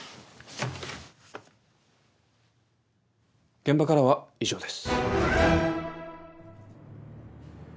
現場からは以上です。